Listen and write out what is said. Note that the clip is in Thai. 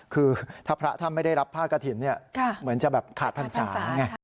คือถ้าพระท่านไม่ได้รับผ้ากระถิ่นเหมือนจะแบบขาดพรรษาไง